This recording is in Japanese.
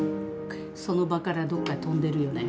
その場からどっかへ飛んでるよね。